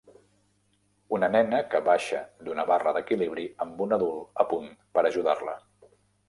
Una nena que baixa d'una barra d'equilibri amb un adult a punt per ajudar-la